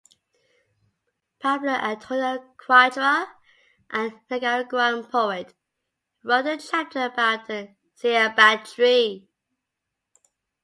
Pablo Antonio Cuadra, a Nicaraguan poet, wrote a chapter about the Ceiba tree.